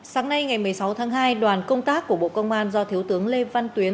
sáng nay ngày một mươi sáu tháng hai đoàn công tác của bộ công an do thiếu tướng lê văn tuyến